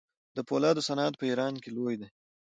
د فولادو صنعت په ایران کې لوی دی.